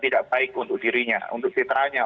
tidak baik untuk dirinya untuk citranya